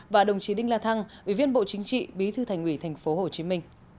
và đồng chí đinh la thăng ủy viên bộ chính trị bí thư thành ủy tp hcm